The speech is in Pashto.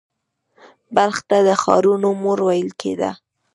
بلخ ته د ښارونو مور ویل کیده